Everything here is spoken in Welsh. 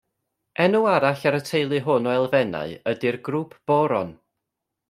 Enw arall y teulu hwn o elfennau ydy'r Grŵp Boron.